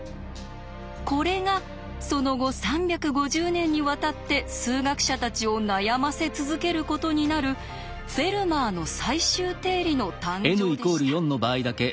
これがその後３５０年にわたって数学者たちを悩ませ続けることになる「フェルマーの最終定理」の誕生でした。